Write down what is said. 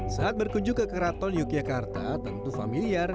saat berkunjung ke keraton yogyakarta tentu familiar